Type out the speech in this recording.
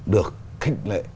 được khích lệ